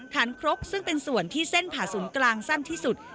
ฐานครกซึ่งเป็นส่วนที่เส้นผ่าศูนย์กลางสั้นที่สุด